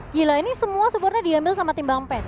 gila ini semua supportnya diambil sama tim bang pen